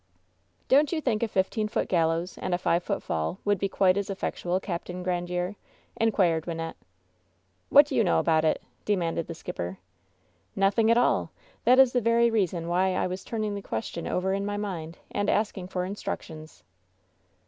"Don't you think a fifteen foot gallows and a five foot fall would be quite as effectual, Capt. Grandiere V^ in* quired Wynnette. 64 WHEN SHADOWS DIE "What do you know about it?" demanded the skipper. "Nothing at all! That is the very reason why I was turning the question over in my mind and asking for instructions."